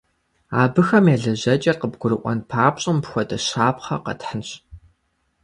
Абыхэм я лэжьэкӏэр къыбгурыӏуэн папщӏэ, мыпхуэдэ щапхъэ къэтхьынщ.